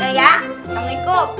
eh ya assalamualaikum